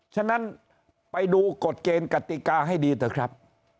ฉะนั้นไปดูกฎเกณฑ์กติกาให้ดีเถอะครับ